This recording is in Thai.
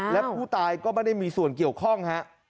และผู้ตายก็ไม่ได้มีส่วนเกี่ยวข้องฮะ